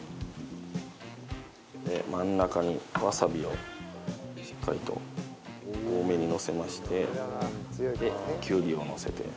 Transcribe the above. で真ん中にわさびをしっかりと多めにのせましてできゅうりをのせて。